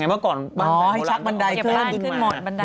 เมื่อก่อนบันไดโบราณต้องเอาเก็บบ้านขึ้นหมดบันได